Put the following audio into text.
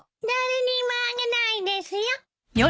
誰にもあげないですよ。